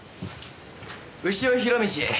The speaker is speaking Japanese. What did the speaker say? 潮弘道。